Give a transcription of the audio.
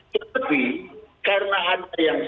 tetapi karena ada yang